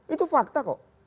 itu fakta kok